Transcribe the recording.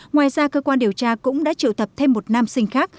ngoài ra cơ quan điều tra cũng đã triệu tập thêm một nam sinh khác